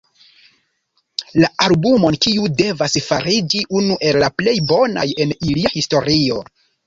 La albumon, kiu devas fariĝi unu el la plej bonaj en ilia historio.